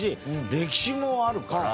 歴史もあるから。